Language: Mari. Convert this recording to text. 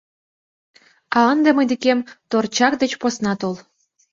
А ынде мый декем торчак деч посна тол.